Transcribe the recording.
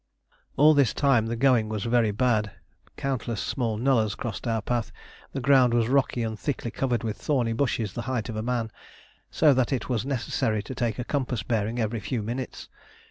All this time the going was very bad. Countless small nullahs crossed our path. The ground was rocky and thickly covered with thorny bushes the height of a man, so that it was necessary to take a compass bearing every few minutes.